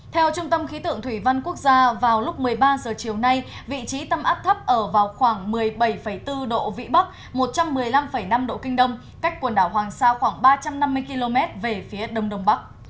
theo trung tâm khí tượng thủy văn quốc gia vào lúc một mươi ba h chiều nay vị trí tâm áp thấp ở vào khoảng một mươi bảy bốn độ vĩ bắc một trăm một mươi năm năm độ kinh đông cách quần đảo hoàng sa khoảng ba trăm năm mươi km về phía đông đông bắc